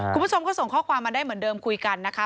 คุณผู้ชมก็ส่งข้อความมาได้เหมือนเดิมคุยกันนะคะ